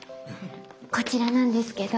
こちらなんですけど。